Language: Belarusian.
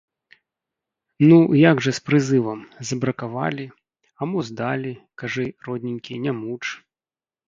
Ну, як жа з прызывам, забракавалі, а мо здалі, кажы, родненькі, не муч.